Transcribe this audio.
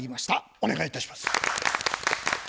お願いいたします。